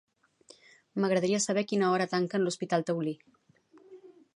M'agradaria saber a quina hora tanquen l'hospital Taulí.